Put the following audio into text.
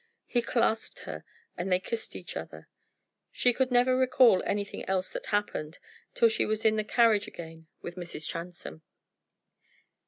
He clasped her, and they kissed each other. She never could recall anything else that happened, till she was in the carriage again with Mrs. Transome.